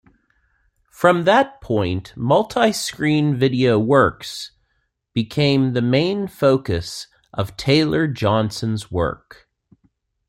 From that point multi-screen video works became the main focus of Taylor-Johnson's work.